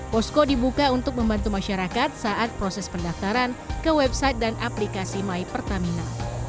posko dibuka untuk membantu masyarakat saat proses pendaftaran ke website dan aplikasi my pertamina